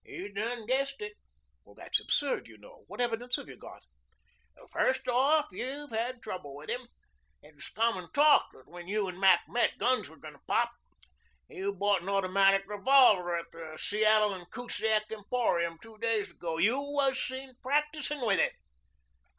"You done guessed it." "That's absurd, you know. What evidence have you got?" "First off, you'd had trouble with him. It was common talk that when you and Mac met, guns were going to pop. You bought an automatic revolver at the Seattle & Kusiak Emporium two days ago. You was seen practising with it."